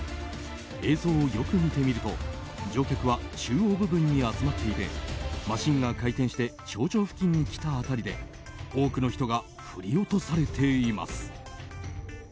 映像をよく見てみると乗客は中央部分に集まっていてマシンが回転して頂上付近に来た辺りで多くの人が振り落されています。